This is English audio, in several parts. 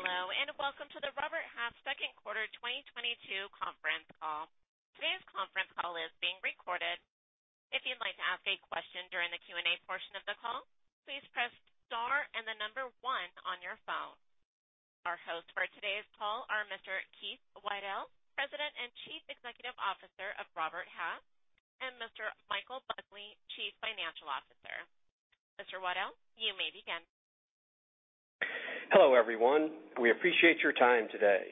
Hello, and welcome to the Robert Half second quarter 2022 conference call. Today's conference call is being recorded. If you'd like to ask a question during the Q&A portion of the call, please press Star and the number one on your phone. Our hosts for today's call are Mr. Keith Waddell, President and Chief Executive Officer of Robert Half, and Mr. Michael Buckley, Chief Financial Officer. Mr. Waddell, you may begin. Hello, everyone. We appreciate your time today.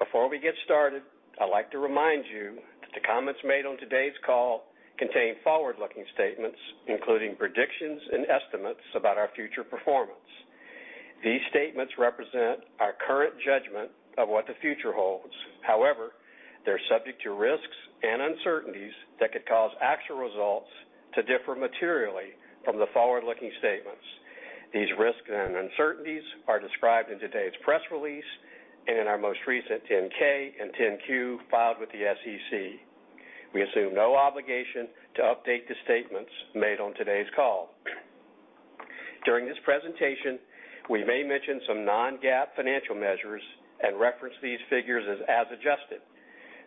Before we get started, I'd like to remind you that the comments made on today's call contain forward-looking statements, including predictions and estimates about our future performance. These statements represent our current judgment of what the future holds. However, they're subject to risks and uncertainties that could cause actual results to differ materially from the forward-looking statements. These risks and uncertainties are described in today's press release and in our most recent 10-K and 10-Q filed with the SEC. We assume no obligation to update the statements made on today's call. During this presentation, we may mention some non-GAAP financial measures and reference these figures as adjusted.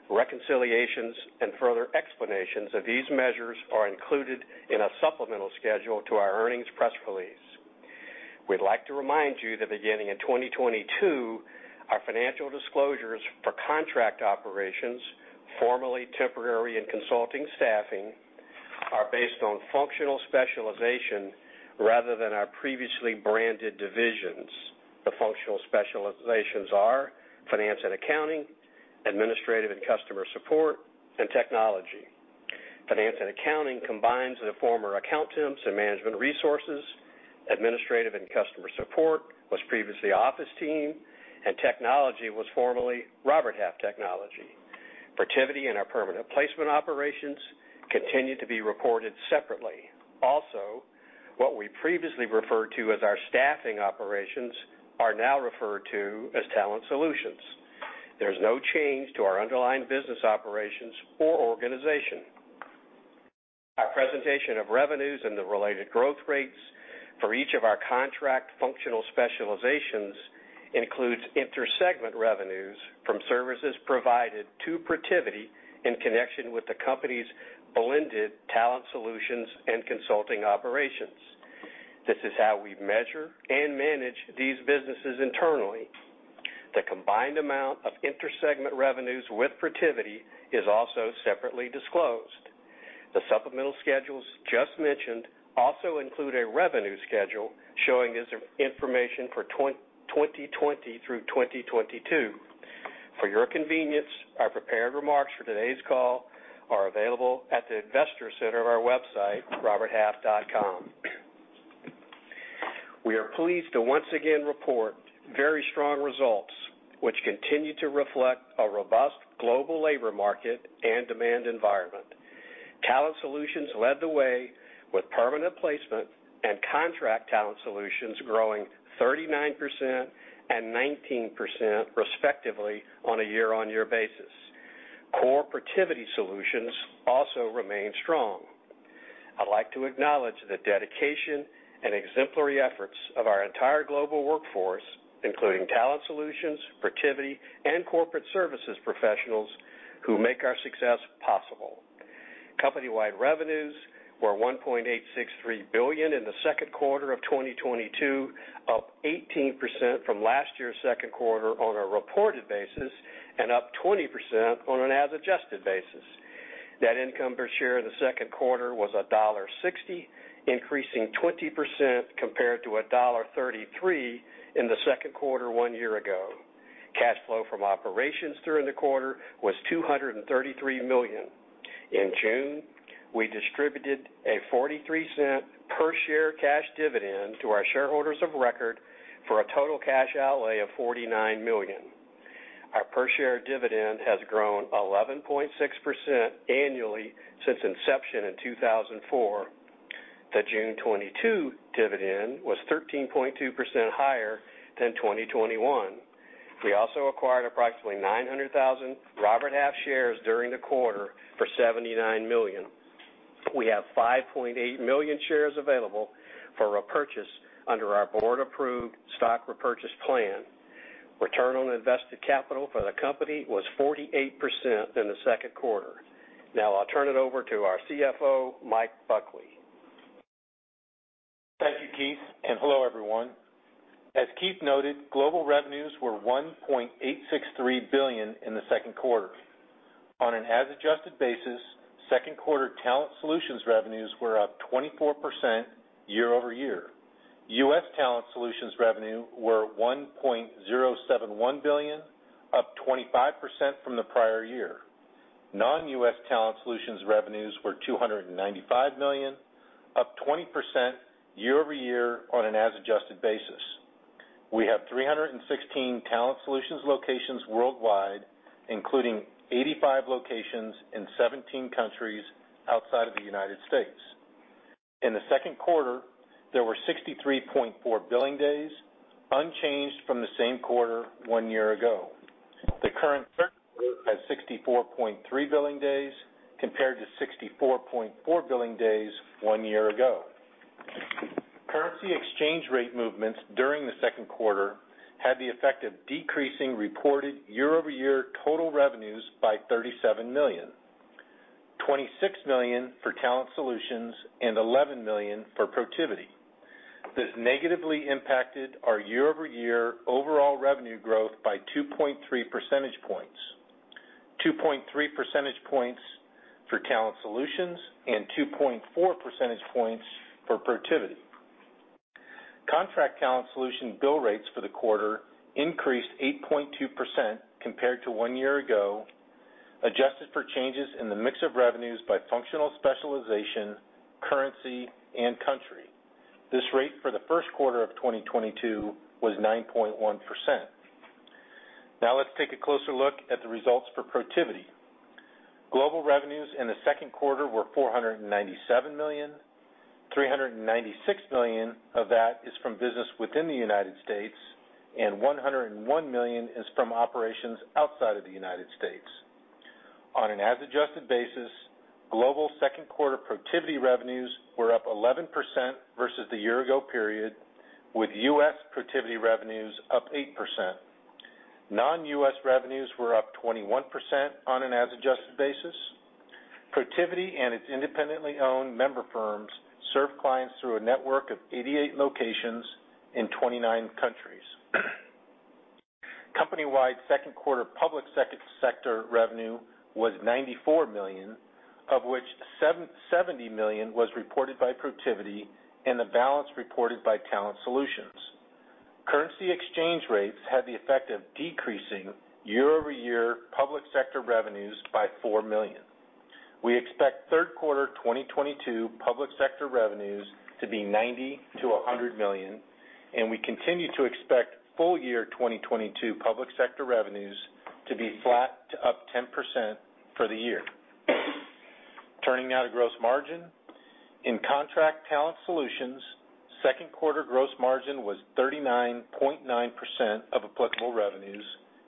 Reconciliations and further explanations of these measures are included in a supplemental schedule to our earnings press release. We'd like to remind you that beginning in 2022, our financial disclosures for contract operations, formerly temporary and consulting staffing, are based on functional specialization rather than our previously branded divisions. The functional specializations are finance and accounting, administrative and customer support, and technology. Finance and accounting combines the former Accountemps and Management Resources. Administrative and customer support was previously OfficeTeam, and technology was formerly Robert Half Technology. Protiviti and our permanent placement operations continue to be reported separately. Also, what we previously referred to as our staffing operations are now referred to as Talent Solutions. There's no change to our underlying business operations or organization. Our presentation of revenues and the related growth rates for each of our contract functional specializations includes inter-segment revenues from services provided to Protiviti in connection with the company's blended Talent Solutions and consulting operations. This is how we measure and manage these businesses internally. The combined amount of inter-segment revenues with Protiviti is also separately disclosed. The supplemental schedules just mentioned also include a revenue schedule showing this information for 2020 through 2022. For your convenience, our prepared remarks for today's call are available at the investor center of our website, roberthalf.com. We are pleased to once again report very strong results, which continue to reflect a robust global labor market and demand environment. Talent Solutions led the way with permanent placement and Contract Talent Solutions growing 39% and 19% respectively on a year-on-year basis. Core Protiviti solutions also remain strong. I'd like to acknowledge the dedication and exemplary efforts of our entire global workforce, including Talent Solutions, Protiviti, and corporate services professionals who make our success possible. Company-wide revenues were $1.863 billion in the second quarter of 2022, up 18% from last year's second quarter on a reported basis, and up 20% on an as-adjusted basis. Net income per share in the second quarter was $1.60, increasing 20% compared to $1.33 in the second quarter one year ago. Cash flow from operations during the quarter was $233 million. In June, we distributed a $0.43 per share cash dividend to our shareholders of record for a total cash outlay of $49 million. Our per share dividend has grown 11.6% annually since inception in 2004. The June 2022 dividend was 13.2% higher than 2021. We also acquired approximately 900,000 Robert Half shares during the quarter for $79 million. We have 5.8 million shares available for repurchase under our board-approved stock repurchase plan. Return on invested capital for the company was 48% in the second quarter. Now I'll turn it over to our CFO, Mike Buckley. Thank you, Keith, and hello, everyone. As Keith noted, global revenues were $1.863 billion in the second quarter. On an as-adjusted basis, second quarter Talent Solutions revenues were up 24% year-over-year. U.S. Talent Solutions revenue were $1.071 billion, up 25% from the prior year. Non-U.S. Talent Solutions revenues were $295 million, up 20% year-over-year on an as-adjusted basis. We have 316 Talent Solutions locations worldwide, including 85 locations in 17 countries outside of the United States. In the second quarter, there were 63.4 billing days, unchanged from the same quarter one year ago. The current quarter has 64.3 billing days compared to 64.4 billing days one year ago. Currency exchange rate movements during the second quarter had the effect of decreasing reported year-over-year total revenues by $37 million. $26 million for Talent Solutions and $11 million for Protiviti. This negatively impacted our year-over-year overall revenue growth by 2.3 percentage points. 2.3 percentage points for Talent Solutions and 2.4 percentage points for Protiviti. Contract Talent Solutions bill rates for the quarter increased 8.2% compared to one year ago, adjusted for changes in the mix of revenues by functional specialization, currency, and country. This rate for the first quarter of 2022 was 9.1%. Now let's take a closer look at the results for Protiviti. Global revenues in the second quarter were $497 million. $396 million of that is from business within the United States, and $101 million is from operations outside of the United States. On an as adjusted basis, global second quarter Protiviti revenues were up 11% versus the year-ago period, with US Protiviti revenues up 8%. Non-US revenues were up 21% on an as adjusted basis. Protiviti and its independently owned member firms serve clients through a network of 88 locations in 29 countries. Company-wide second quarter public sector revenue was $94 million, of which $70 million was reported by Protiviti and the balance reported by Talent Solutions. Currency exchange rates had the effect of decreasing year-over-year public sector revenues by $4 million. We expect third quarter 2022 public sector revenues to be $90-100 million, and we continue to expect full-year 2022 public sector revenues to be flat to up 10% for the year. Turning now to gross margin. In Contract Talent Solutions, second quarter gross margin was 39.9% of applicable revenues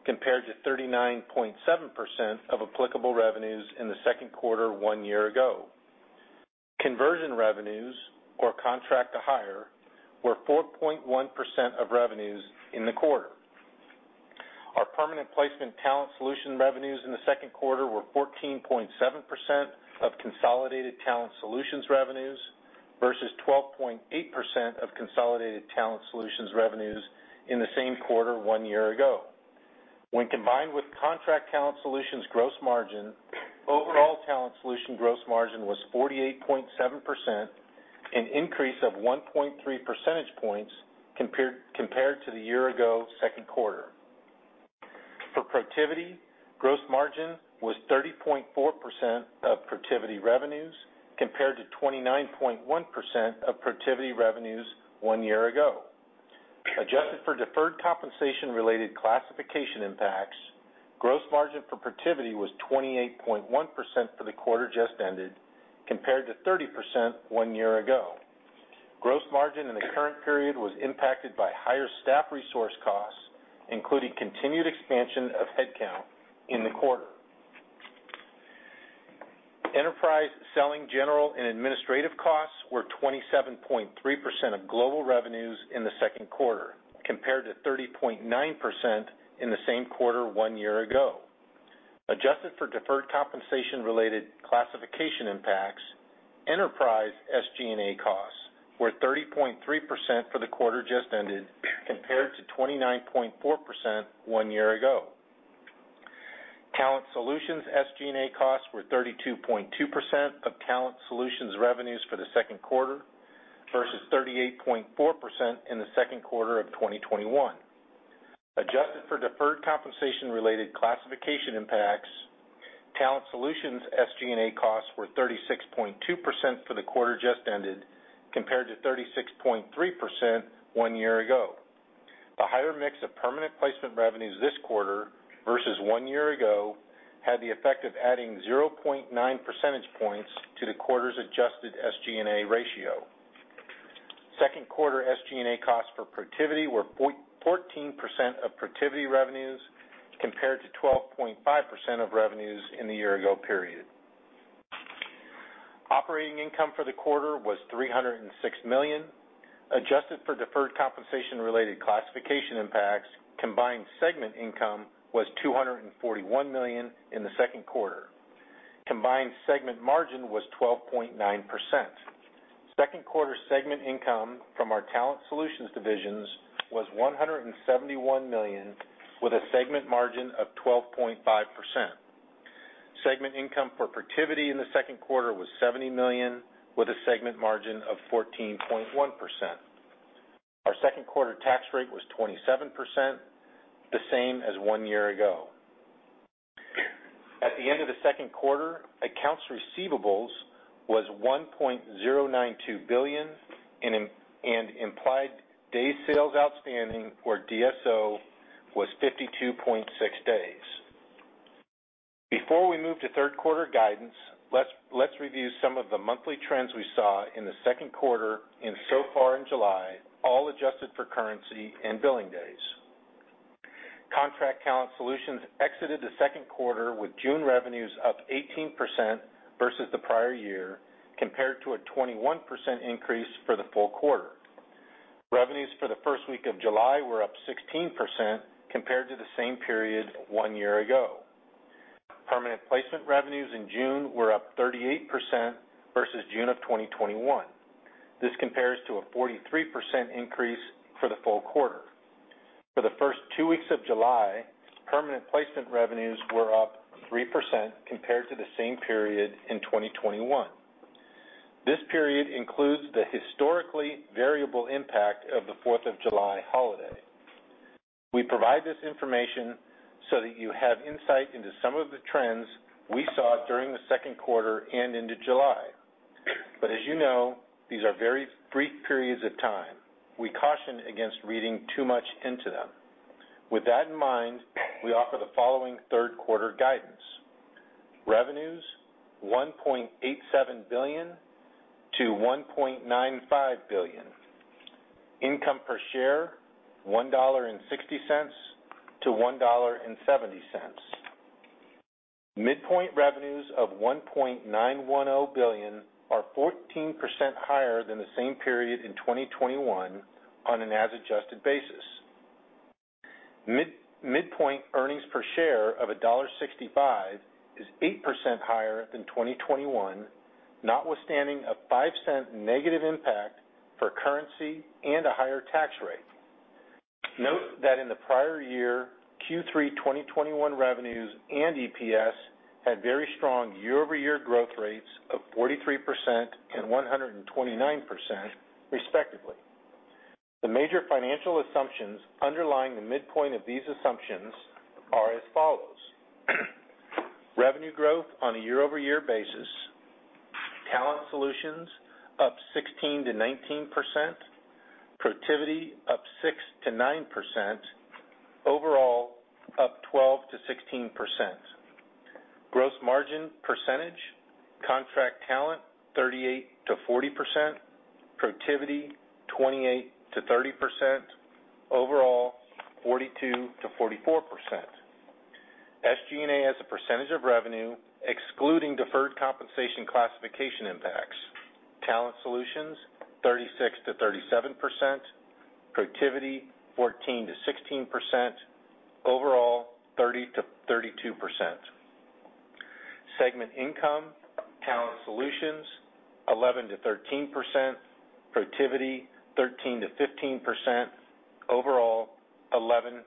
compared to 39.7% of applicable revenues in the second quarter one year ago. Conversion revenues, or contract to hire, were 4.1% of revenues in the quarter. Our permanent placement Talent Solutions revenues in the second quarter were 14.7% of consolidated Talent Solutions revenues versus 12.8% of consolidated Talent Solutions revenues in the same quarter one year ago. When combined with Contract Talent Solutions gross margin, overall Talent Solutions gross margin was 48.7%, an increase of 1.3 percentage points compared to the year ago second quarter. For Protiviti, gross margin was 30.4% of Protiviti revenues compared to 29.1% of Protiviti revenues one year ago. Adjusted for deferred compensation-related classification impacts, gross margin for Protiviti was 28.1% for the quarter just ended, compared to 30% one year ago. Gross margin in the current period was impacted by higher staff resource costs, including continued expansion of headcount in the quarter. Enterprise selling general and administrative costs were 27.3% of global revenues in the second quarter, compared to 30.9% in the same quarter one year ago. Adjusted for deferred compensation-related classification impacts, enterprise SG&A costs were 30.3% for the quarter just ended compared to 29.4% one year ago. Talent Solutions SG&A costs were 32.2% of Talent Solutions revenues for the second quarter versus 38.4% in the second quarter of 2021. Adjusted for deferred compensation-related classification impacts, Talent Solutions SG&A costs were 36.2% for the quarter just ended, compared to 36.3% one year ago. The higher mix of permanent placement revenues this quarter versus one year ago had the effect of adding 0.9 percentage points to the quarter's adjusted SG&A ratio. Second quarter SG&A costs for Protiviti were 14.4% of Protiviti revenues compared to 12.5% of revenues in the year ago period. Operating income for the quarter was $306 million. Adjusted for deferred compensation-related classification impacts, combined segment income was $241 million in the second quarter. Combined segment margin was 12.9%. Second quarter segment income from our Talent Solutions divisions was $171 million, with a segment margin of 12.5%. Segment income for Protiviti in the second quarter was $70 million, with a segment margin of 14.1%. Our second quarter tax rate was 27%, the same as one year ago. At the end of the second quarter, accounts receivable was $1.092 billion, and implied days sales outstanding or DSO was 52.6 days. Before we move to third quarter guidance, let's review some of the monthly trends we saw in the second quarter and so far in July, all adjusted for currency and billing days. Contract Talent Solutions exited the second quarter with June revenues up 18% versus the prior year, compared to a 21% increase for the full quarter. Revenues for the first week of July were up 16% compared to the same period one year ago. Permanent placement revenues in June were up 38% versus June of 2021. This compares to a 43% increase for the full quarter. For the first two weeks of July, permanent placement revenues were up 3% compared to the same period in 2021. This period includes the historically variable impact of the Fourth of July holiday. We provide this information so that you have insight into some of the trends we saw during the second quarter and into July. As you know, these are very brief periods of time. We caution against reading too much into them. With that in mind, we offer the following third quarter guidance. Revenues $1.87-1.95 billion. Income per share, $1.60-1.70. Midpoint revenues of $1.910 billion are 14% higher than the same period in 2021 on an as adjusted basis. Midpoint earnings per share of $1.65 is 8% higher than 2021, notwithstanding a $0.05 negative impact for currency and a higher tax rate. Note that in the prior year, Q3 2021 revenues and EPS had very strong year-over-year growth rates of 43% and 129% respectively. The major financial assumptions underlying the midpoint of these assumptions are as follows. Revenue growth on a year-over-year basis, Talent Solutions up 16%-19%, Protiviti up 6%-9%, overall up 12%-16%. Gross margin percentage, Contract Talent 38%-40%, Protiviti 28%-30%, overall 42%-44%. SG&A as a percentage of revenue excluding deferred compensation classification impacts, Talent Solutions 36%-37%, Protiviti 14%-16%, overall 30%-32%. Segment income, Talent Solutions 11%-13%, Protiviti 13%-15%, overall 11%-13%.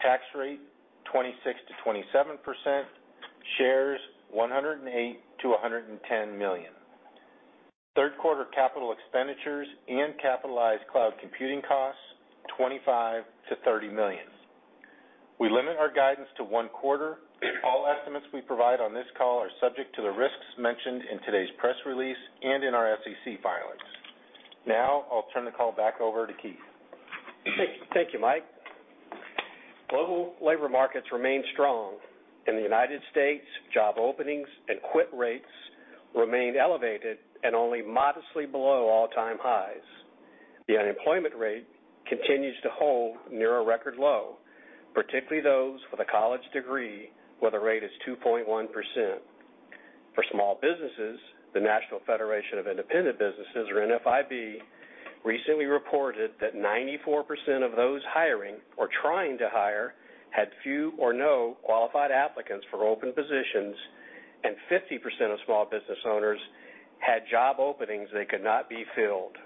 Tax rate 26%-27%. Shares, 108-110 million. Third quarter capital expenditures and capitalized cloud computing costs, $25-30 million. We limit our guidance to one quarter. All estimates we provide on this call are subject to the risks mentioned in today's press release and in our SEC filings. Now I'll turn the call back over to Keith. Thank you, Mike. Global labor markets remain strong. In the United States, job openings and quit rates remain elevated and only modestly below all-time highs. The unemployment rate continues to hold near a record low, particularly those with a college degree, where the rate is 2.1%. For small businesses, the National Federation of Independent Business or NFIB recently reported that 94% of those hiring or trying to hire had few or no qualified applicants for open positions, and 50% of small business owners had job openings that could not be filled.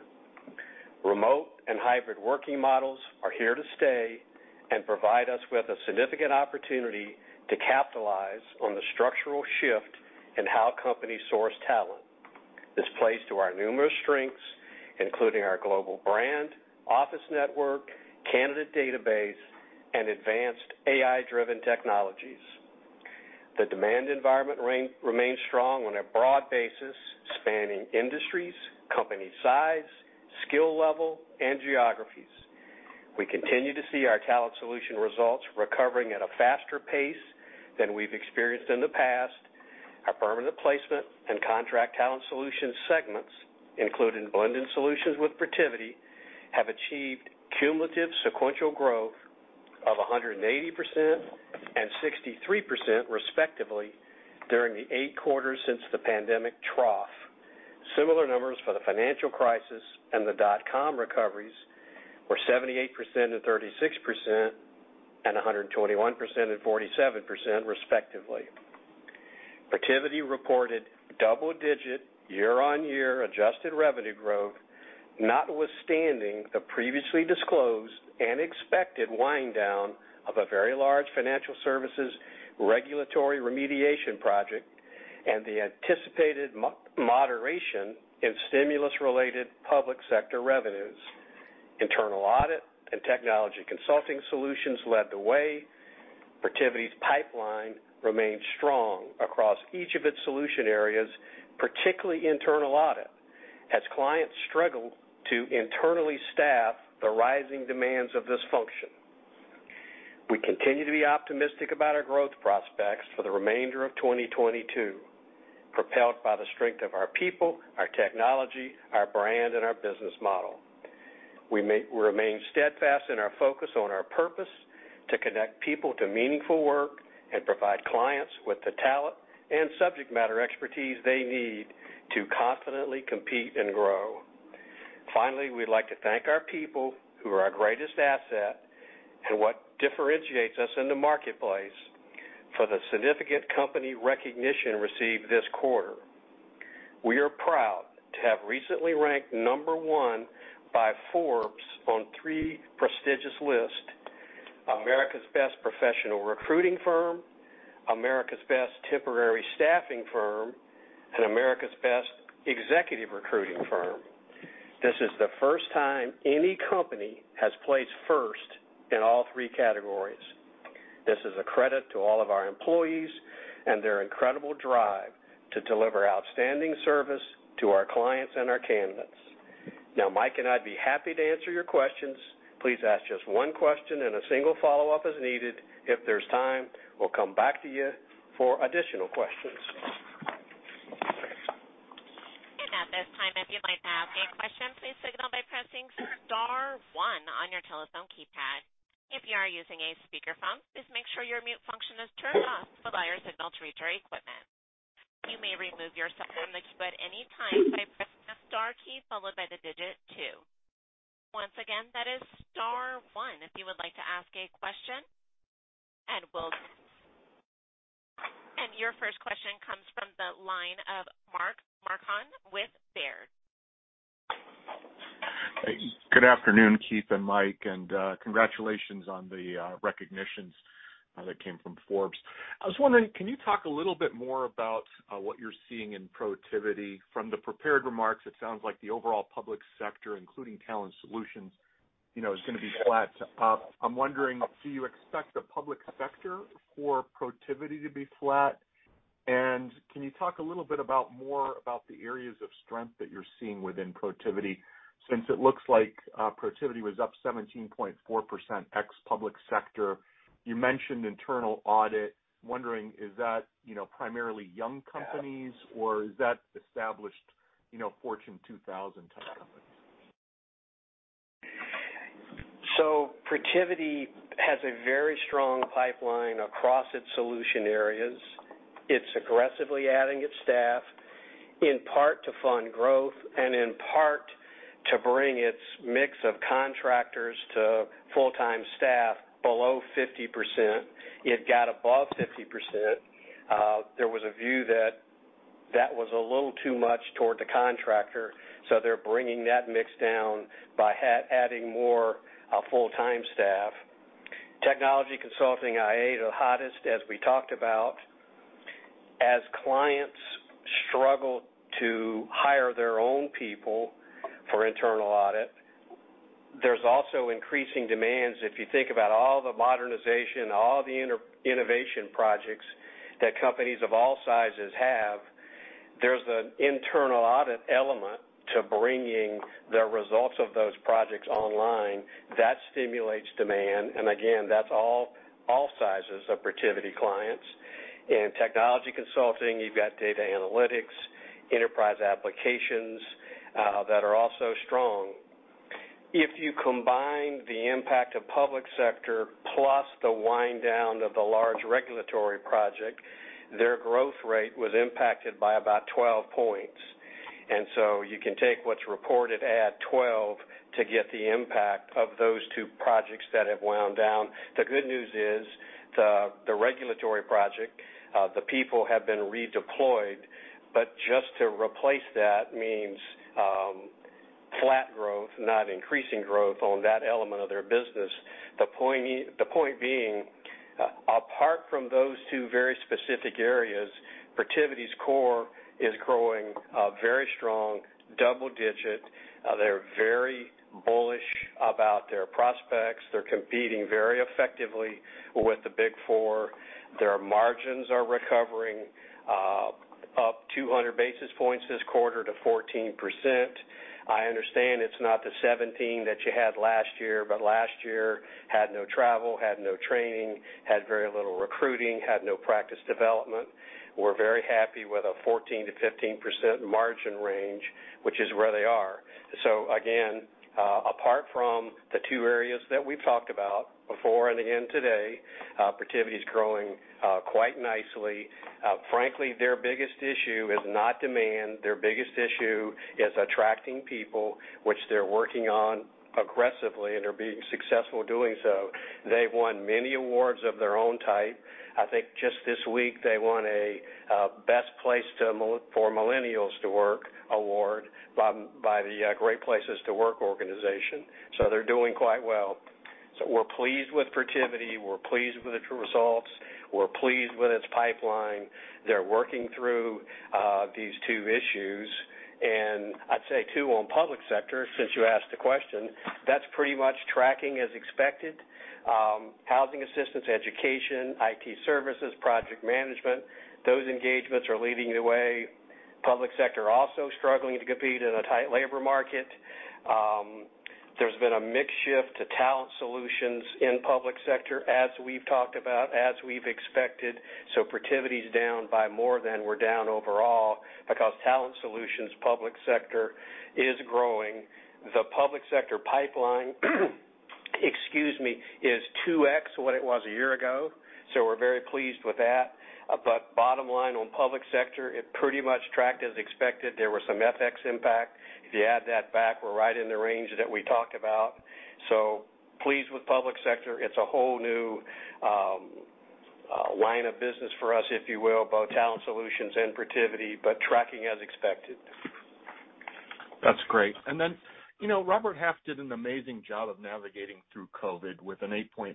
Remote and hybrid working models are here to stay and provide us with a significant opportunity to capitalize on the structural shift in how companies source talent. This plays to our numerous strengths, including our global brand, office network, candidate database, and advanced AI-driven technologies. The demand environment remains strong on a broad basis, spanning industries, company size, skill level, and geographies. We continue to see our Talent Solution results recovering at a faster pace than we've experienced in the past. Our permanent placement and Contract Talent Solutions segments, including blending solutions with Protiviti, have achieved cumulative sequential growth of 180% and 63%, respectively, during the 8 quarters since the pandemic trough. Similar numbers for the financial crisis and the dot-com recoveries were 78% and 36%, and 121% and 47%, respectively. Protiviti reported double-digit year-on-year adjusted revenue growth, notwithstanding the previously disclosed and expected wind down of a very large financial services regulatory remediation project and the anticipated moderation in stimulus-related public sector revenues. Internal audit and technology consulting solutions led the way. Protiviti's pipeline remained strong across each of its solution areas, particularly internal audit. As clients struggle to internally staff the rising demands of this function. We continue to be optimistic about our growth prospects for the remainder of 2022, propelled by the strength of our people, our technology, our brand, and our business model. We remain steadfast in our focus on our purpose to connect people to meaningful work and provide clients with the talent and subject matter expertise they need to confidently compete and grow. Finally, we'd like to thank our people who are our greatest asset and what differentiates us in the marketplace for the significant company recognition received this quarter. We are proud to have recently ranked number one by Forbes on three prestigious lists. America's Best Professional Recruiting Firms, America's Best Temporary Staffing Firms, and America's Best Executive Recruiting Firms. This is the first time any company has placed first in all three categories. This is a credit to all of our employees and their incredible drive to deliver outstanding service to our clients and our candidates. Now, Mike and I'd be happy to answer your questions. Please ask just one question and a single follow-up as needed. If there's time, we'll come back to you for additional questions. At this time, if you'd like to ask a question, please signal by pressing star one on your telephone keypad. If you are using a speakerphone, please make sure your mute function is turned off. But be sure your signal reaches our equipment. You may remove yourself from the queue at any time by pressing the star key followed by the digit two. Once again, that is star one if you would like to ask a question. Your first question comes from the line of Mark Marcon with Baird. Good afternoon, Keith and Mike, and congratulations on the recognitions that came from Forbes. I was wondering, can you talk a little bit more about what you're seeing in Protiviti? From the prepared remarks, it sounds like the overall public sector, including Talent Solutions, you know, is gonna be flat. I'm wondering, do you expect the public sector for Protiviti to be flat? And can you talk a little bit about more about the areas of strength that you're seeing within Protiviti since it looks like Protiviti was up 17.4% ex public sector. You mentioned internal audit. Wondering is that, you know, primarily young companies or is that established, you know, Fortune 2000 type companies? Protiviti has a very strong pipeline across its solution areas. It's aggressively adding its staff, in part to fund growth and in part to bring its mix of contractors to full-time staff below 50%. It got above 50%. There was a view that that was a little too much toward the contractor, so they're bringing that mix down by adding more full-time staff. Technology consulting IA, the hottest, as we talked about. As clients struggle to hire their own people for internal audit, there's also increasing demands. If you think about all the modernization, all the innovation projects that companies of all sizes have, there's an internal audit element to bringing the results of those projects online that stimulates demand. Again, that's all sizes of Protiviti clients. In technology consulting, you've got data analytics, enterprise applications, that are also strong. If you combine the impact of public sector plus the wind down of the large regulatory project, their growth rate was impacted by about 12 points. You can take what's reported at 12 to get the impact of those two projects that have wound down. The good news is the regulatory project, the people have been redeployed, but just to replace that means flat growth, not increasing growth on that element of their business. The point being, apart from those two very specific areas, Protiviti's core is growing very strong, double-digit. They're very bullish about their prospects. They're competing very effectively with the Big Four. Their margins are recovering, up 200 basis points this quarter to 14%. I understand it's not the 17 that you had last year, but last year had no travel, had no training, had very little recruiting, had no practice development. We're very happy with a 14%-15% margin range, which is where they are. Again, apart from the two areas that we've talked about before and again today, Protiviti is growing quite nicely. Frankly, their biggest issue is not demand. Their biggest issue is attracting people, which they're working on aggressively, and they're being successful doing so. They've won many awards of their own type. I think just this week, they won a best place for millennials to work award by the Great Place to Work organization. They're doing quite well. We're pleased with Protiviti, we're pleased with the results, we're pleased with its pipeline. They're working through these two issues. I'd say too, on public sector, since you asked the question, that's pretty much tracking as expected. Housing assistance, education, IT services, project management, those engagements are leading the way. Public sector also struggling to compete in a tight labor market. There's been a mix shift to Talent Solutions in public sector, as we've talked about, as we've expected. Protiviti is down by more than we're down overall because Talent Solutions public sector is growing. The public sector pipeline, excuse me, is 2x what it was a year ago, so we're very pleased with that. Bottom line on public sector, it pretty much tracked as expected. There was some FX impact. If you add that back, we're right in the range that we talked about. Pleased with public sector. It's a whole new line of business for us, if you will, both Talent Solutions and Protiviti, but tracking as expected. That's great. You know, Robert Half did an amazing job of navigating through COVID with an 8.3%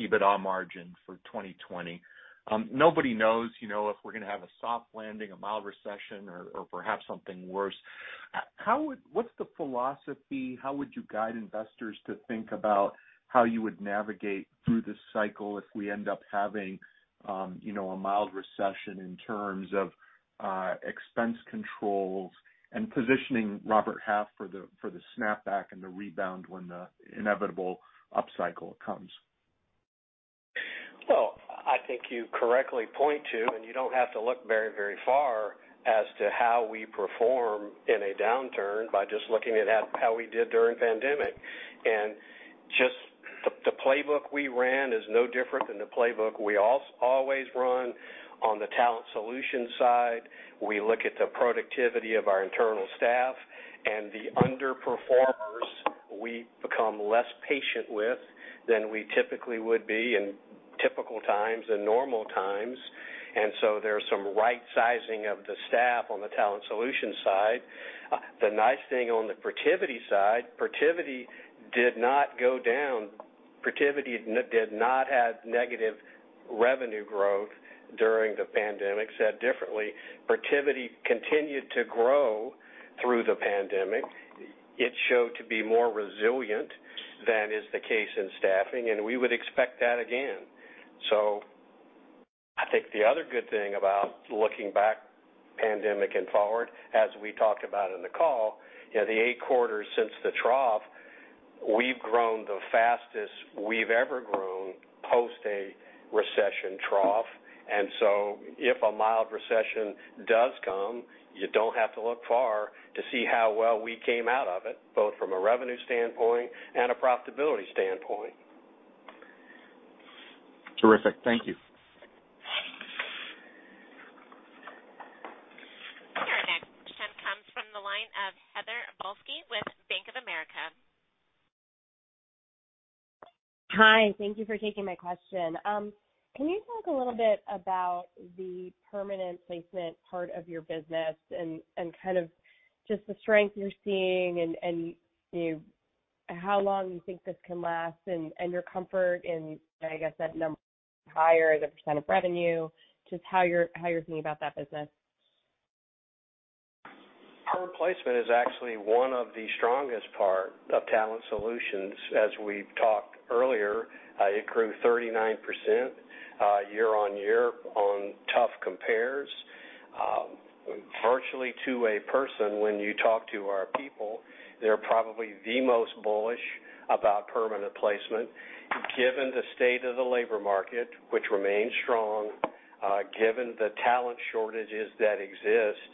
EBITDA margin for 2020. Nobody knows if we're gonna have a soft landing, a mild recession, or perhaps something worse. What's the philosophy? How would you guide investors to think about how you would navigate through this cycle if we end up having a mild recession in terms of expense controls and positioning Robert Half for the snapback and the rebound when the inevitable upcycle comes? Well, I think you correctly point to, and you don't have to look very, very far as to how we perform in a downturn by just looking at how we did during pandemic. Just the playbook we ran is no different than the playbook we always run on the Talent Solutions side. We look at the productivity of our internal staff, and the underperformers we become less patient with than we typically would be in typical times and normal times. There's some right sizing of the staff on the Talent Solutions side. The nice thing on the Protiviti side, Protiviti did not go down. Protiviti did not have negative revenue growth during the pandemic. Said differently, Protiviti continued to grow through the pandemic. It showed to be more resilient than is the case in staffing, and we would expect that again. I think the other good thing about looking back at the pandemic and forward, as we talked about in the call, you know, the eight quarters since the trough, we've grown the fastest we've ever grown post a recession trough. If a mild recession does come, you don't have to look far to see how well we came out of it, both from a revenue standpoint and a profitability standpoint. Terrific. Thank you. Your next question comes from the line of Heather Balsky with Bank of America. Hi, thank you for taking my question. Can you talk a little bit about the permanent placement part of your business and kind of just the strength you're seeing and how long you think this can last and your comfort in, I guess, that number higher as a % of revenue, just how you're thinking about that business. Perm placement is actually one of the strongest part of Talent Solutions. As we've talked earlier, it grew 39%, year-on-year on tough compares. Virtually to a person, when you talk to our people, they're probably the most bullish about permanent placement. Given the state of the labor market, which remains strong, given the talent shortages that exist,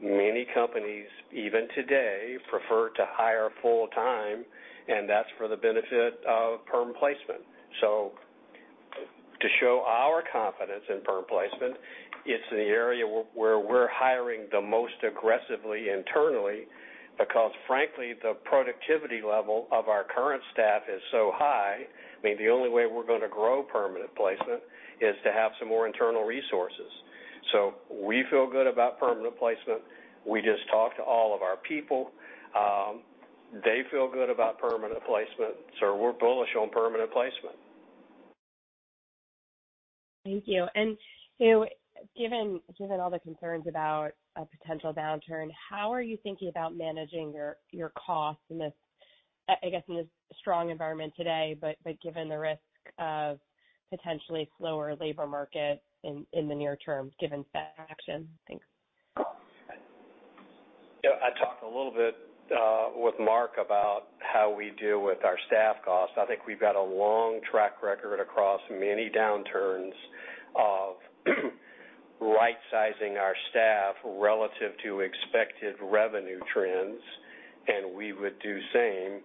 many companies, even today, prefer to hire full-time, and that's for the benefit of perm placement. To show our confidence in perm placement, it's the area where we're hiring the most aggressively internally because, frankly, the productivity level of our current staff is so high. I mean, the only way we're gonna grow permanent placement is to have some more internal resources. We feel good about permanent placement. We just talk to all of our people. They feel good about permanent placement, so we're bullish on permanent placement. Thank you. You know, given all the concerns about a potential downturn, how are you thinking about managing your costs in this, I guess, in this strong environment today, but given the risk of potentially slower labor market in the near term, given Fed action? Thanks. You know, I talked a little bit with Mark about how we deal with our staff costs. I think we've got a long track record across many downturns of right sizing our staff relative to expected revenue trends, and we would do the same.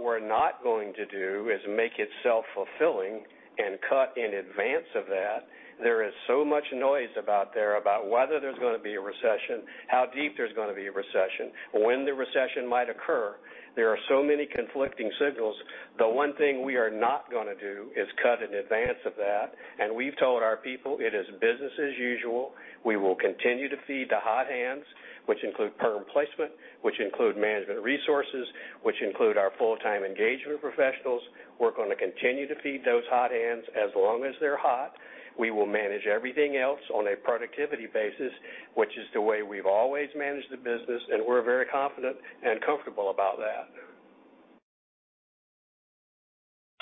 We're not going to do is make it self-fulfilling and cut in advance of that. There is so much noise out there about whether there's gonna be a recession, how deep there's gonna be a recession, when the recession might occur. There are so many conflicting signals. The one thing we are not gonna do is cut in advance of that. We've told our people it is business as usual. We will continue to feed the hot hands, which include perm placement, which include Management Resources, which include our full-time engagement professionals. We're gonna continue to feed those hot hands as long as they're hot. We will manage everything else on a productivity basis, which is the way we've always managed the business, and we're very confident and comfortable about that.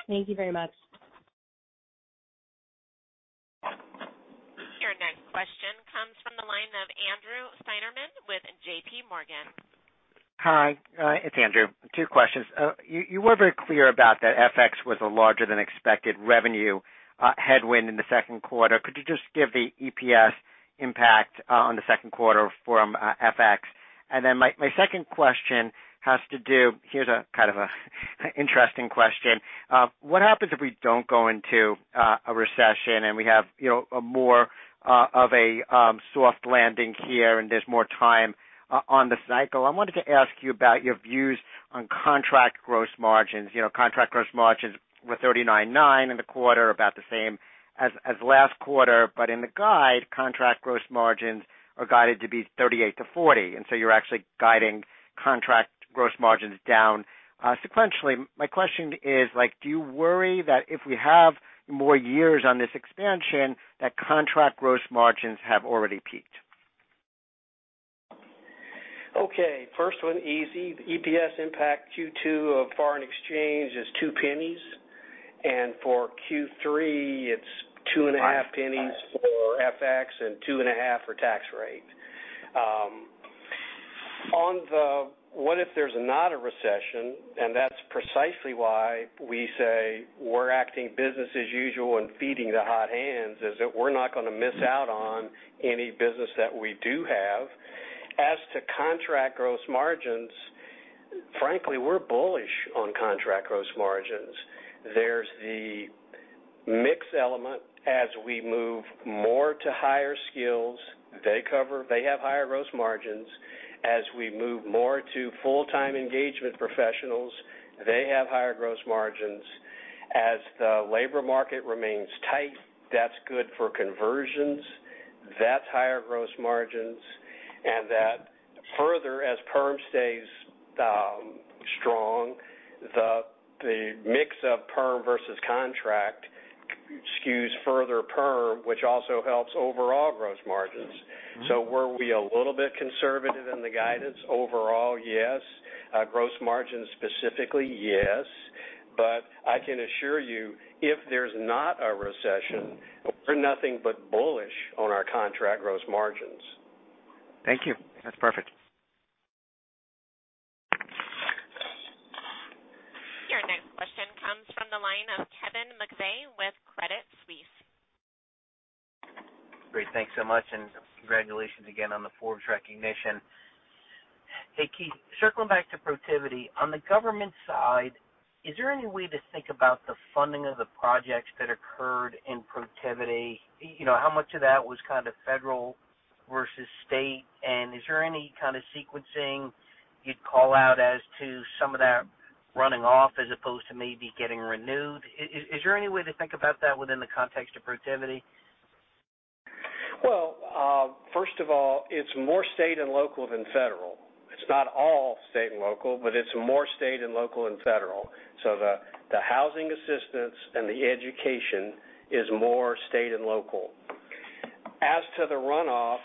Thank you very much. Your next question comes from the line of Andrew Steinerman with J.P. Morgan. Hi, it's Andrew. Two questions. You were very clear about that FX was a larger than expected revenue headwind in the second quarter. Could you just give the EPS impact on the second quarter from FX? My second question. Here's a kind of a interesting question. What happens if we don't go into a recession and we have, you know, more of a soft landing here and there's more time on the cycle? I wanted to ask you about your views on contract gross margins. You know, contract gross margins were 39.9% in the quarter, about the same as last quarter. In the guide, contract gross margins are guided to be 38%-40%, and so you're actually guiding contract gross margins down sequentially. My question is, like, do you worry that if we have more years on this expansion that contract gross margins have already peaked? Okay, first one easy. The EPS impact Q2 of foreign exchange is $0.02, and for Q3 it's $0.025 for FX and 2.5 for tax rate. On the what if there's not a recession, and that's precisely why we say we're acting business as usual and feeding the hot hands, is that we're not gonna miss out on any business that we do have. As to contract gross margins, frankly, we're bullish on contract gross margins. There's the mix element. As we move more to higher skills, they have higher gross margins. As we move more to full-time engagement professionals, they have higher gross margins. As the labor market remains tight, that's good for conversions. That's higher gross margins. That further, as perm stays strong, the mix of perm versus contract skews further perm, which also helps overall gross margins. Were we a little bit conservative in the guidance overall? Yes. Gross margin specifically, yes. But I can assure you if there's not a recession, we're nothing but bullish on our contract gross margins. Thank you. That's perfect. Your next question comes from the line of Kevin McVeigh with Credit Suisse. Great. Thanks so much and congratulations again on the Forbes recognition. Hey, Keith, circling back to Protiviti. On the government side, is there any way to think about the funding of the projects that occurred in Protiviti? You know, how much of that was kind of federal versus state? And is there any kind of sequencing you'd call out as to some of that running off as opposed to maybe getting renewed? Is there any way to think about that within the context of Protiviti? Well, first of all, it's more state and local than federal. It's not all state and local, but it's more state and local and federal. The housing assistance and the education is more state and local. As to the runoff,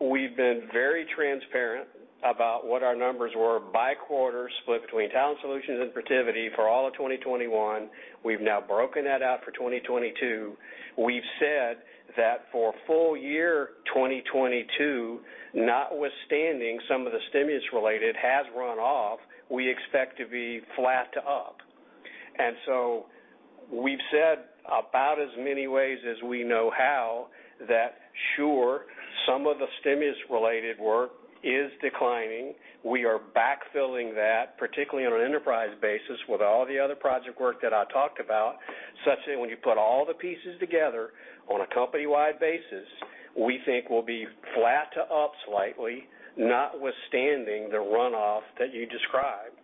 we've been very transparent about what our numbers were by quarter split between Talent Solutions and Protiviti for all of 2021. We've now broken that out for 2022. We've said that for full-year 2022, notwithstanding some of the stimulus related has run off, we expect to be flat to up. We've said about as many ways as we know how that, sure, some of the stimulus-related work is declining. We are backfilling that, particularly on an enterprise basis, with all the other project work that I talked about, such that when you put all the pieces together on a company-wide basis, we think we'll be flat to up slightly, notwithstanding the runoff that you described.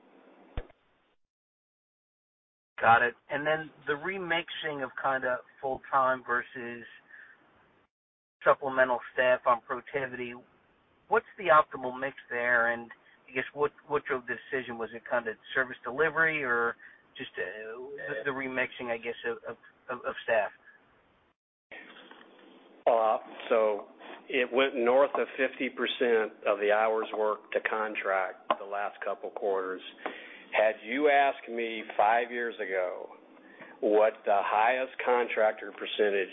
Got it. The remixing of kind of full-time versus supplemental staff on Protiviti, what's the optimal mix there? I guess what's your decision? Was it kind of service delivery or just the remixing, I guess of staff? It went north of 50% of the hours worked to contract the last couple quarters. Had you asked me five years ago what the highest contractor percentage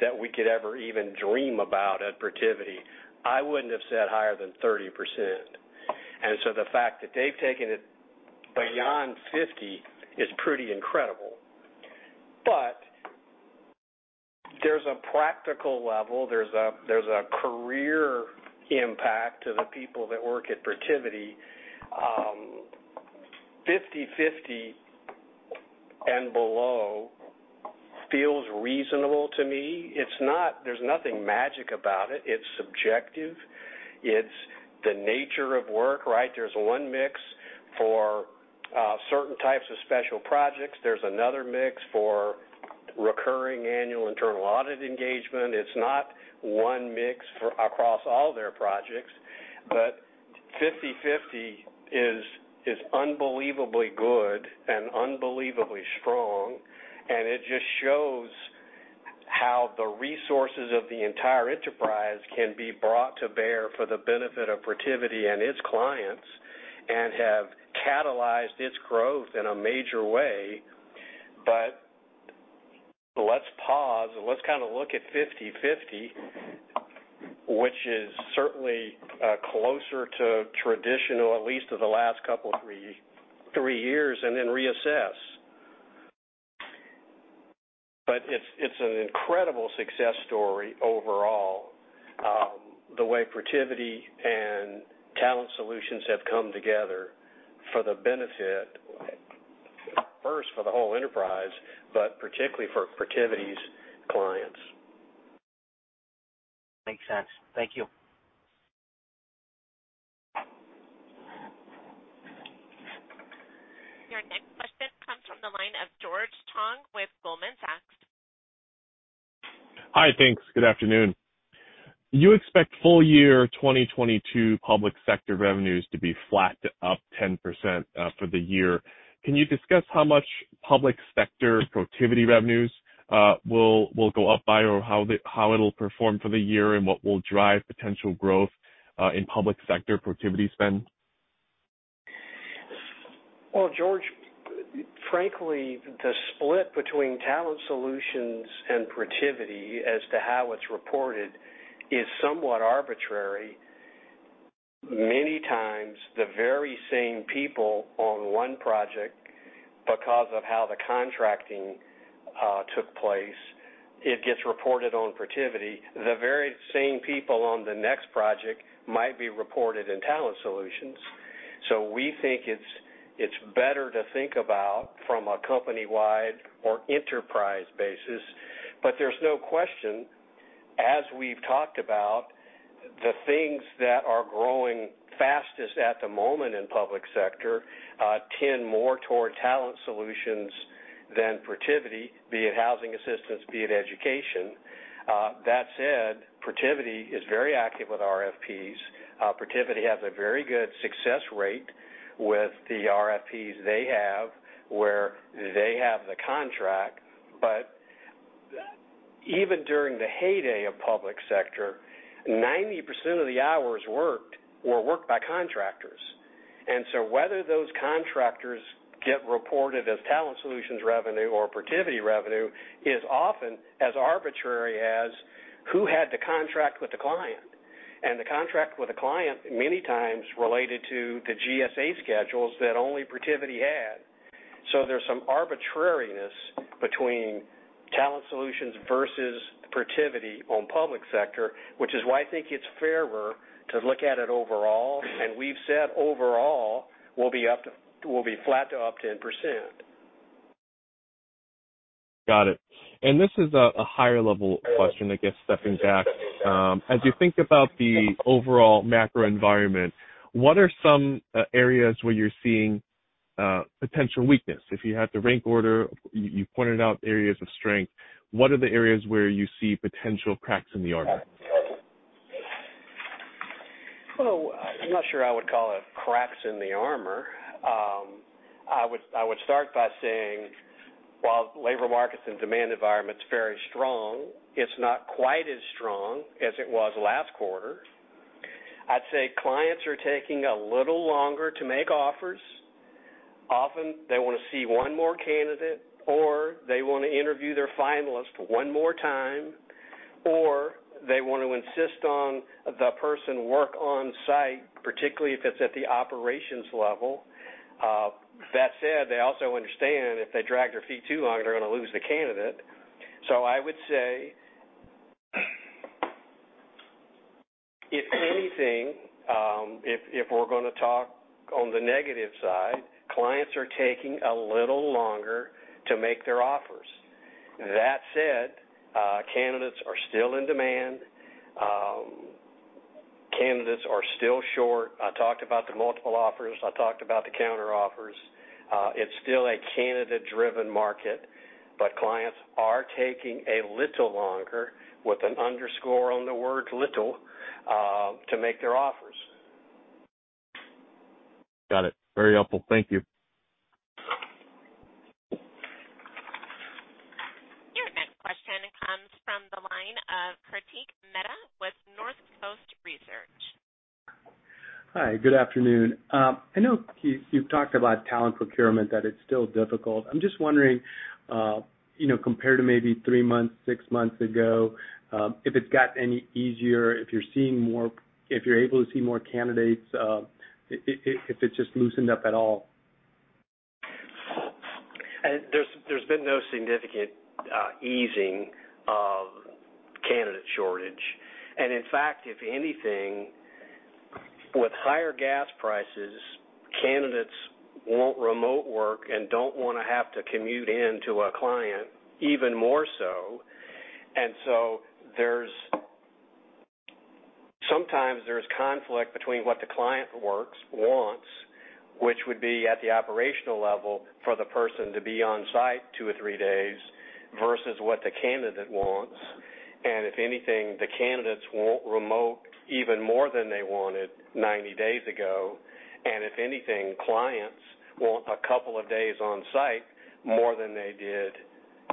that we could ever even dream about at Protiviti, I wouldn't have said higher than 30%. The fact that they've taken it beyond 50% is pretty incredible. There's a practical level. There's a career impact to the people that work at Protiviti. 50/50 and below feels reasonable to me. It's not. There's nothing magic about it. It's subjective. It's the nature of work, right? There's one mix for certain types of special projects. There's another mix for recurring annual internal audit engagement. It's not one mix across all their projects. 50/50 is unbelievably good and unbelievably strong. It just shows the resources of the entire enterprise can be brought to bear for the benefit of Protiviti and its clients and have catalyzed its growth in a major way. Let's pause and let's kind of look at 50/50, which is certainly closer to traditional, at least of the last couple three years, and then reassess. It's an incredible success story overall, the way Protiviti and Talent Solutions have come together for the benefit, first for the whole enterprise, but particularly for Protiviti's clients. Makes sense. Thank you. Your next question comes from the line of George Tong with Goldman Sachs. Hi. Thanks. Good afternoon. You expect full-year 2022 public sector revenues to be flat to up 10%, for the year. Can you discuss how much public sector Protiviti revenues will go up by, or how it'll perform for the year and what will drive potential growth in public sector Protiviti spend? Well, George, frankly, the split between Talent Solutions and Protiviti as to how it's reported is somewhat arbitrary. Many times the very same people on one project, because of how the contracting took place, it gets reported on Protiviti. The very same people on the next project might be reported in Talent Solutions. We think it's better to think about from a company-wide or enterprise basis. There's no question, as we've talked about, the things that are growing fastest at the moment in public sector tend more toward Talent Solutions than Protiviti, be it housing assistance, be it education. That said, Protiviti is very active with RFPs. Protiviti has a very good success rate with the RFPs they have where they have the contract. Even during the heyday of public sector, 90% of the hours worked were worked by contractors. Whether those contractors get reported as Talent Solutions revenue or Protiviti revenue is often as arbitrary as who had the contract with the client. The contract with the client many times related to the GSA schedules that only Protiviti had. There's some arbitrariness between Talent Solutions versus Protiviti on public sector, which is why I think it's fairer to look at it overall. We've said overall will be flat to up 10%. Got it. This is a higher-level question, I guess, stepping back. As you think about the overall macro environment, what are some areas where you're seeing potential weakness? If you had to rank order, you pointed out areas of strength. What are the areas where you see potential cracks in the armor? I'm not sure I would call it cracks in the armor. I would start by saying, while labor markets and demand environment is very strong, it's not quite as strong as it was last quarter. I'd say clients are taking a little longer to make offers. Often they want to see one more candidate, or they want to interview their finalist one more time, or they want to insist on the person work on-site, particularly if it's at the operations level. That said, they also understand if they drag their feet too long, they're gonna lose the candidate. I would say, if anything, if we're gonna talk on the negative side, clients are taking a little longer to make their offers. That said, candidates are still in demand. Candidates are still short. I talked about the multiple offers. I talked about the counter offers. It's still a candidate-driven market, but clients are taking a little longer to make their offers. Got it. Very helpful. Thank you. Your next question comes from the line of Kartik Mehta with Northcoast Research. Hi, good afternoon. I know you've talked about talent procurement, that it's still difficult. I'm just wondering, you know, compared to maybe three months, six months ago, if it's got any easier, if you're able to see more candidates, if it's just loosened up at all. There's been no significant easing of candidate shortage. In fact, if anything, with higher gas prices, candidates want remote work and don't wanna have to commute in to a client even more so. Sometimes there's conflict between what the client wants, which would be at the operational level for the person to be on-site two or three days versus what the candidate wants. If anything, the candidates want remote even more than they wanted 90 days ago. If anything, clients want a couple of days on-site more than they did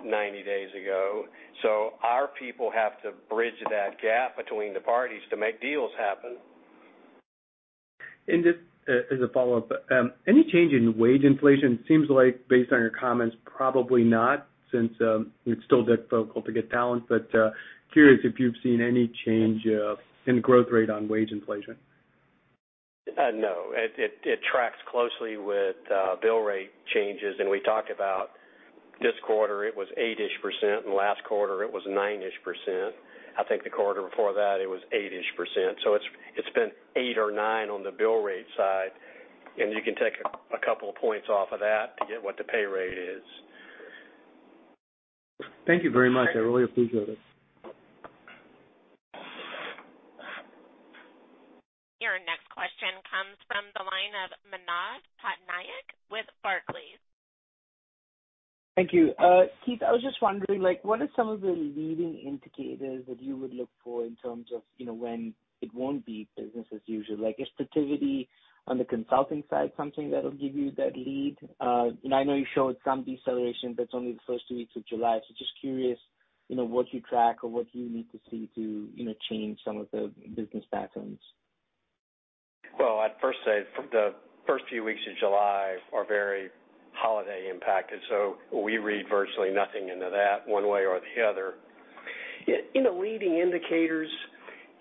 90 days ago. Our people have to bridge that gap between the parties to make deals happen. Just as a follow-up, any change in wage inflation? Seems like based on your comments, probably not, since you're still desperately to get talent. Curious if you've seen any change in the growth rate on wage inflation. No. It tracks closely with bill rate changes. We talked about this quarter, it was 8-ish%, and last quarter it was 9-ish%. I think the quarter before that, it was 8-ish%. It's been 8% or 9% on the bill rate side, and you can take a couple points off of that to get what the pay rate is. Thank you very much. I really appreciate it. Your next question comes from the line of Manav Patnaik with Barclays. Thank you. Keith, I was just wondering, like, what are some of the leading indicators that you would look for in terms of, you know, when it won't be business as usual? Like is activity on the consulting side something that'll give you that lead? And I know you showed some deceleration, but it's only the first two weeks of July. Just curious, you know, what you track or what you need to see to, you know, change some of the business patterns. Well, I'd first say the first few weeks of July are very holiday impacted, so we read virtually nothing into that one way or the other. In the leading indicators,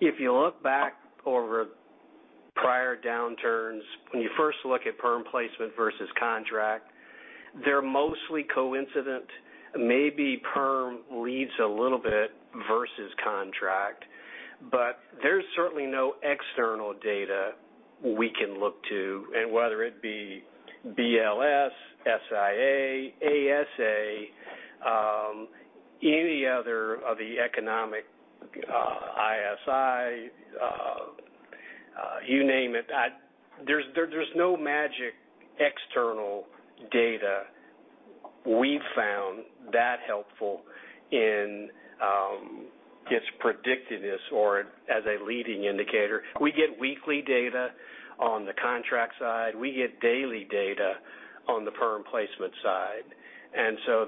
if you look back over prior downturns, when you first look at perm placement versus contract, they're mostly coincident. Maybe perm leads a little bit versus contract, but there's certainly no external data we can look to. Whether it be BLS, SIA, ASA, any other of the economic, ISM, you name it. There's no magic external data we've found that helpful in its predictiveness or as a leading indicator. We get weekly data on the contract side. We get daily data on the perm placement side.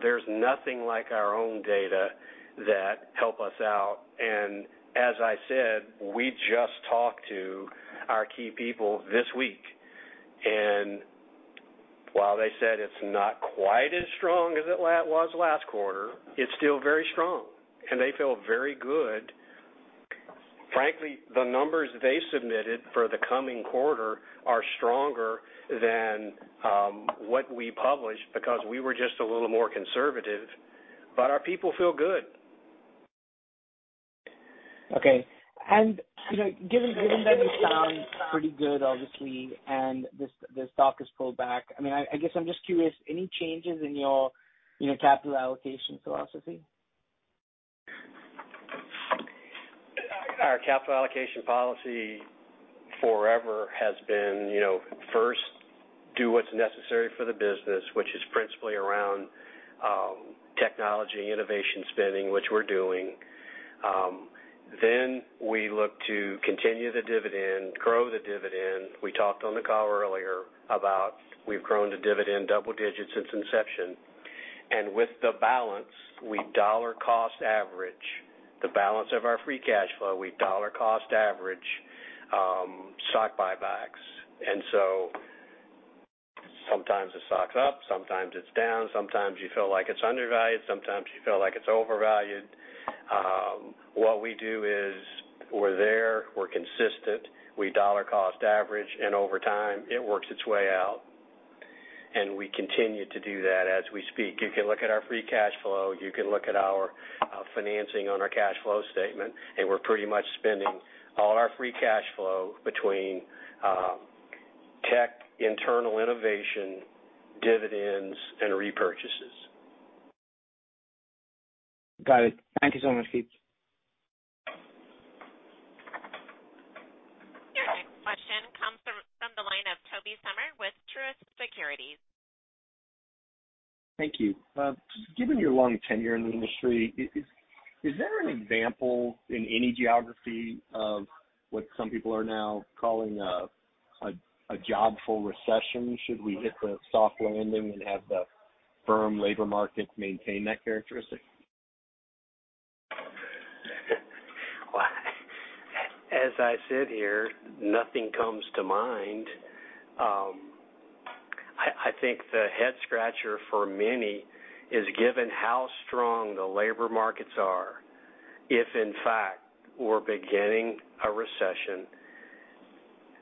There's nothing like our own data that help us out. As I said, we just talked to our key people this week, and while they said it's not quite as strong as it was last quarter, it's still very strong, and they feel very good. Frankly, the numbers they submitted for the coming quarter are stronger than what we published because we were just a little more conservative. Our people feel good. Okay. You know, given that you sound pretty good, obviously, and the stock has pulled back, I mean, I guess I'm just curious, any changes in your, you know, capital allocation philosophy? Our capital allocation policy forever has been, you know, first, do what's necessary for the business, which is principally around technology innovation spending, which we're doing. Then we look to continue the dividend, grow the dividend. We talked on the call earlier about we've grown the dividend double digits since inception. With the balance, we dollar cost average. The balance of our free cash flow, we dollar cost average stock buybacks. So sometimes the stock's up, sometimes it's down. Sometimes you feel like it's undervalued, sometimes you feel like it's overvalued. What we do is we're there, we're consistent. We dollar cost average, and over time, it works its way out. We continue to do that as we speak. You can look at our free cash flow, you can look at our financing on our cash flow statement, and we're pretty much spending all our free cash flow between tech, internal innovation, dividends, and repurchases. Got it. Thank you so much, Keith. Your next question comes from the line of Tobey Sommer with Truist Securities. Thank you. Given your long tenure in the industry, is there an example in any geography of what some people are now calling a jobless recession? Should we hit the soft landing and have the firm labor market maintain that characteristic? As I sit here, nothing comes to mind. I think the head scratcher for many is, given how strong the labor markets are, if in fact we're beginning a recession,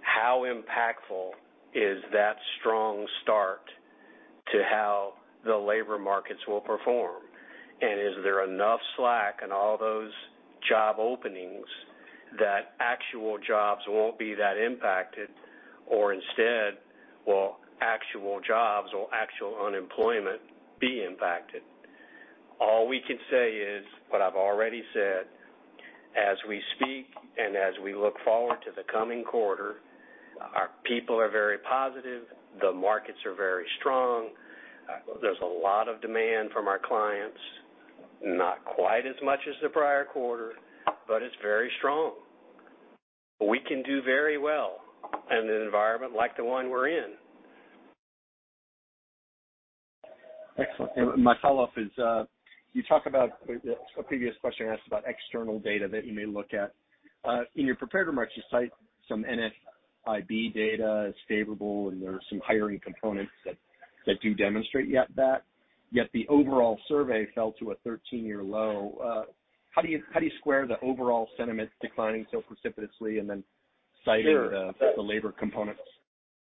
how impactful is that strong start to how the labor markets will perform? Is there enough slack in all those job openings that actual jobs won't be that impacted or instead will actual jobs or actual unemployment be impacted? All we can say is what I've already said. As we speak and as we look forward to the coming quarter, our people are very positive. The markets are very strong. There's a lot of demand from our clients, not quite as much as the prior quarter, but it's very strong. We can do very well in an environment like the one we're in. Excellent. My follow-up is, you talk about a previous question I asked about external data that you may look at. In your prepared remarks, you cite some NFIB data as favorable, and there are some hiring components that do demonstrate that, yet the overall survey fell to a 13-year low. How do you square the overall sentiment declining so precipitously and then citing the labor components?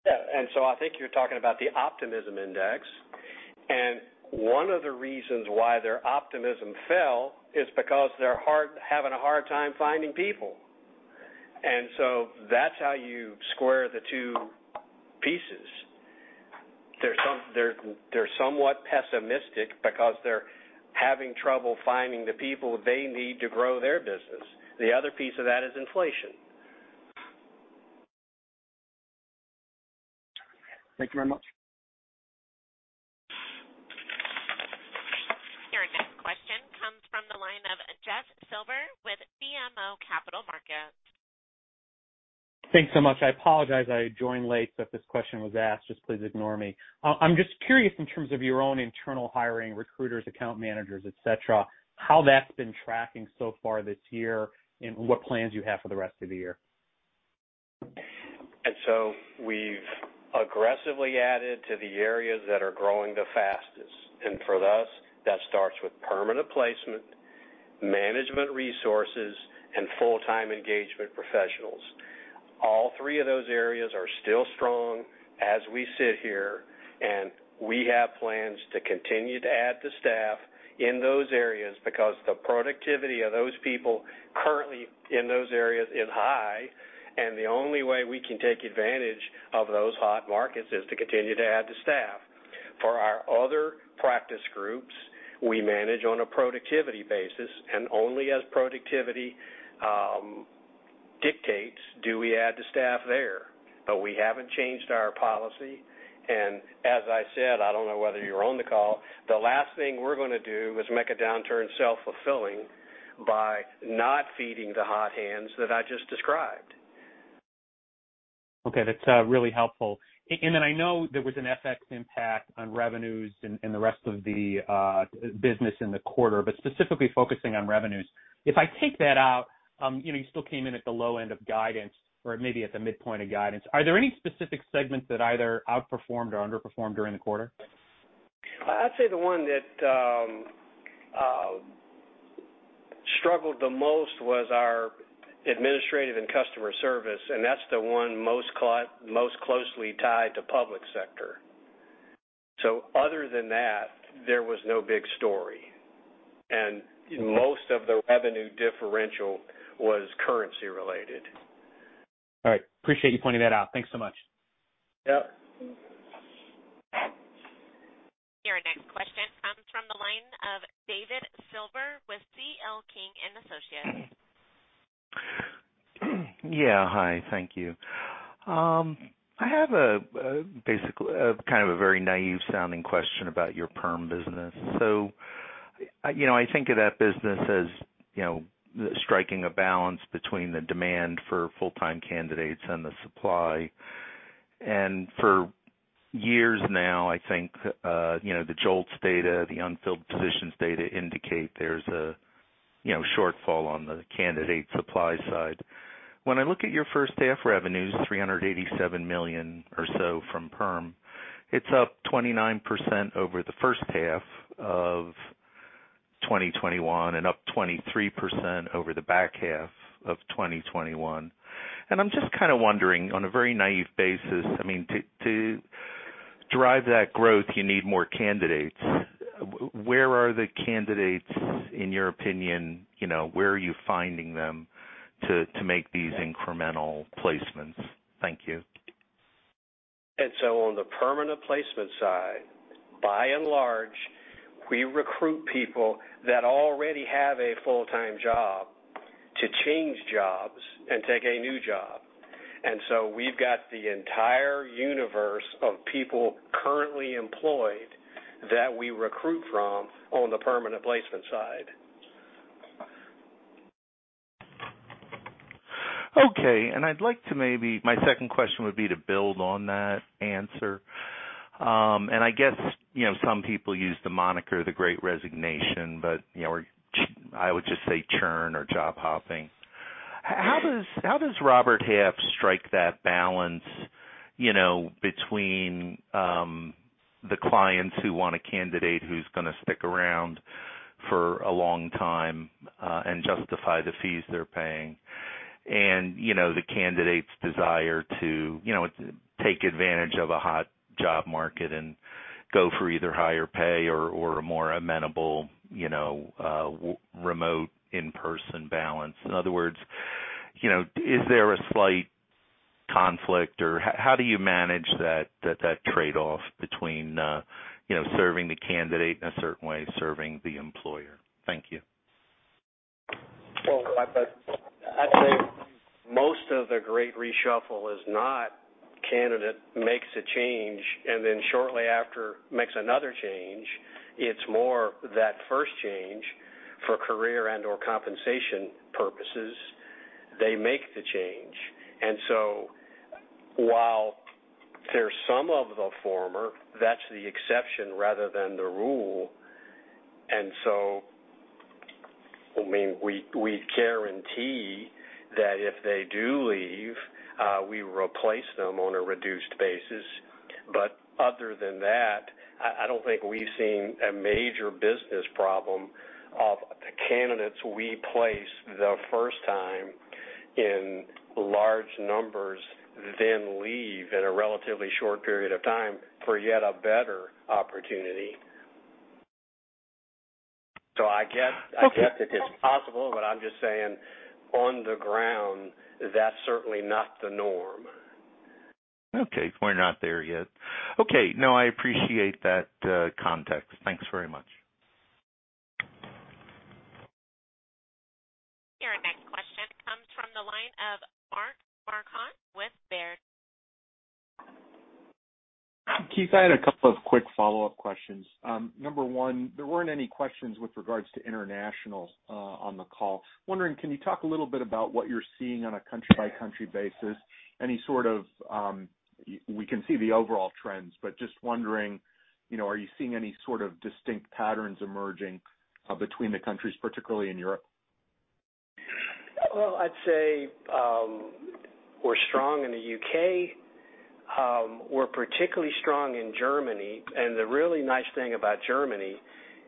Yeah. I think you're talking about the optimism index. One of the reasons why their optimism fell is because they're having a hard time finding people. That's how you square the two pieces. They're somewhat pessimistic because they're having trouble finding the people they need to grow their business. The other piece of that is inflation. Thank you very much. Your next question comes from the line of Jeff Silber with BMO Capital Markets. Thanks so much. I apologize I joined late, so if this question was asked, just please ignore me. I'm just curious in terms of your own internal hiring recruiters, account managers, et cetera, how that's been tracking so far this year and what plans you have for the rest of the year. We've aggressively added to the areas that are growing the fastest. For us, that starts with permanent placement, Management Resources, and full-time engagement professionals. All three of those areas are still strong as we sit here, and we have plans to continue to add the staff in those areas because the productivity of those people currently in those areas is high, and the only way we can take advantage of those hot markets is to continue to add the staff. For our other practice groups, we manage on a productivity basis, and only as productivity dictates do we add the staff there. We haven't changed our policy, and as I said, I don't know whether you were on the call. The last thing we're gonna do is make a downturn self-fulfilling by not feeding the hot hands that I just described. Okay. That's really helpful. I know there was an FX impact on revenues and the rest of the business in the quarter, but specifically focusing on revenues. If I take that out, you know, you still came in at the low end of guidance or maybe at the midpoint of guidance. Are there any specific segments that either outperformed or underperformed during the quarter? I'd say the one that struggled the most was our administrative and customer service, and that's the one most closely tied to public sector. Other than that, there was no big story. Most of the revenue differential was currency related. All right. Appreciate you pointing that out. Thanks so much. Yeah. Your next question comes from the line of David Silver with C.L. King & Associates. Yeah. Hi. Thank you. I have a basic kind of a very naive sounding question about your perm business. I know, I think of that business as, you know, striking a balance between the demand for full-time candidates and the supply. For years now, I think, you know, the JOLTS data, the unfilled positions data indicate there's a, you know, shortfall on the candidate supply side. When I look at your first half revenues, $387 million or so from perm, it's up 29% over the first half of 2021 and up 23% over the back half of 2021. I'm just kind of wondering on a very naive basis, I mean, to drive that growth, you need more candidates. Where are the candidates in your opinion? You know, where are you finding them to make these incremental placements? Thank you. On the permanent placement side, by and large, we recruit people that already have a full-time job to change jobs and take a new job. We've got the entire universe of people currently employed that we recruit from on the permanent placement side. I'd like to maybe. My second question would be to build on that answer. I guess, you know, some people use the moniker, the great resignation, but, you know, or I would just say churn or job hopping. How does Robert Half strike that balance, you know, between the clients who want a candidate who's gonna stick around for a long time and justify the fees they're paying and, you know, the candidates desire to, you know, take advantage of a hot job market and go for either higher pay or a more amenable, you know, remote in-person balance. In other words, you know, is there a slight conflict or how do you manage that trade-off between, you know, serving the candidate in a certain way, serving the employer? Thank you. Well, I'd say most of the great reshuffle is not candidate makes a change and then shortly after makes another change. It's more that first change for career and/or compensation purposes. They make the change. While there's some of the former, that's the exception rather than the rule. I mean, we guarantee that if they do leave, we replace them on a reduced basis. But other than that, I don't think we've seen a major business problem of the candidates we place the first time in large numbers then leave in a relatively short period of time for yet a better opportunity. I get- Okay. I get that it's possible, but I'm just saying on the ground, that's certainly not the norm. Okay. We're not there yet. Okay. No, I appreciate that, context. Thanks very much. Your next question comes from the line of Mark Marcon with Baird. Keith, I had a couple of quick follow-up questions. Number one, there weren't any questions with regards to international on the call. Wondering, can you talk a little bit about what you're seeing on a country-by-country basis? Any sort of, we can see the overall trends, but just wondering, you know, are you seeing any sort of distinct patterns emerging between the countries, particularly in Europe? Well, I'd say, we're strong in the U.K. We're particularly strong in Germany. The really nice thing about Germany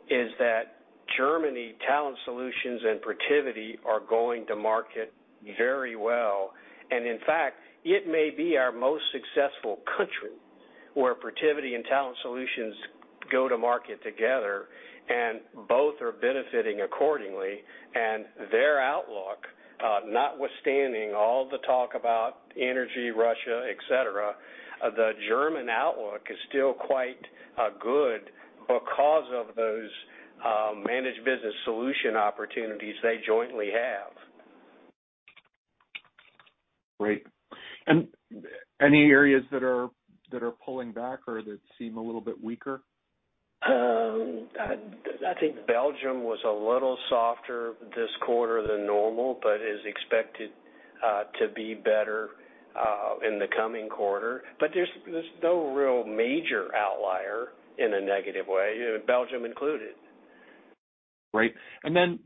is that Talent Solutions and Protiviti are going to market very well. In fact, it may be our most successful country where Protiviti and Talent Solutions go to market together, and both are benefiting accordingly. Their outlook, notwithstanding all the talk about energy, Russia, et cetera, the German outlook is still quite good because of those managed business solution opportunities they jointly have. Great. Any areas that are pulling back or that seem a little bit weaker? I think Belgium was a little softer this quarter than normal, but is expected to be better in the coming quarter. There's no real major outlier in a negative way, Belgium included. Great.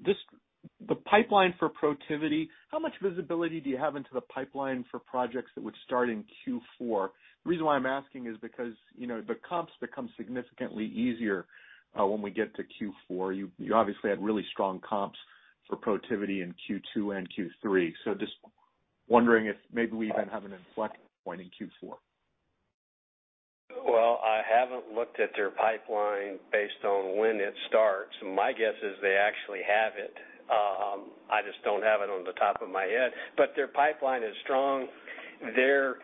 Just the pipeline for Protiviti, how much visibility do you have into the pipeline for projects that would start in Q4? The reason why I'm asking is because, you know, the comps become significantly easier when we get to Q4. You obviously had really strong comps for Protiviti in Q2 and Q3. Just wondering if maybe we even have an inflection point in Q4. I haven't looked at their pipeline based on when it starts. My guess is they actually have it. I just don't have it on the top of my head. Their pipeline is strong. They're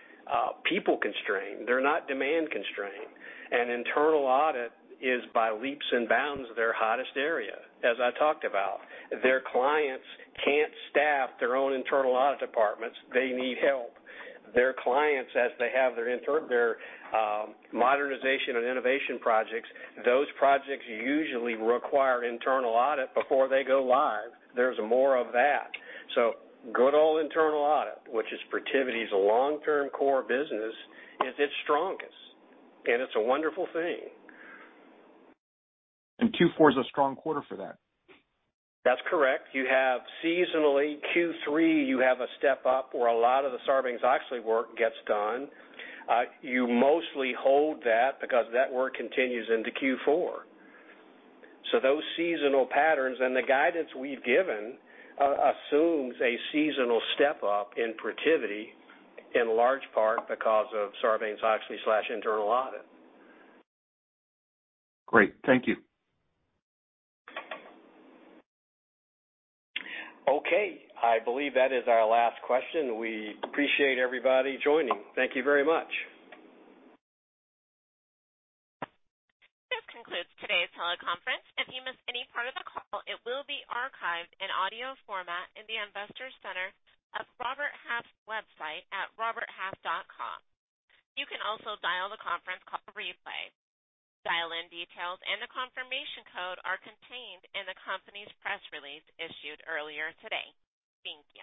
people constrained, they're not demand constrained. Internal audit is by leaps and bounds their hottest area, as I talked about. Their clients can't staff their own internal audit departments. They need help. Their clients, as they have their modernization and innovation projects, those projects usually require internal audit before they go live. There's more of that. Good old internal audit, which is Protiviti's long-term core business, is its strongest, and it's a wonderful thing. Q4 is a strong quarter for that. That's correct. You have seasonally Q3, you have a step up where a lot of the Sarbanes-Oxley work gets done. You mostly hold that because that work continues into Q4. Those seasonal patterns and the guidance we've given assumes a seasonal step up in Protiviti, in large part because of Sarbanes-Oxley/internal audit. Great. Thank you. Okay. I believe that is our last question. We appreciate everybody joining. Thank you very much. This concludes today's teleconference. If you missed any part of the call, it will be archived in audio format in the investor center of Robert Half website at roberthalf.com. You can also dial the conference call replay. Dial-in details and the confirmation codeare contained in the company's press release issued earlier today. Thank you.